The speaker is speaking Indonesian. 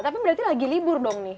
tapi berarti lagi libur dong nih